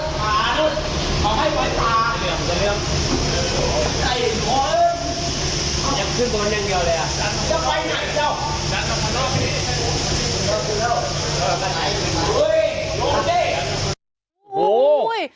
จะไปไหนเนี่ย